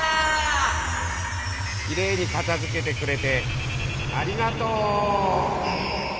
キレイにかたづけてくれてありがとう！